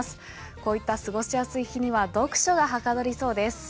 こういった過ごしやすい日には読書がはかどりそうです。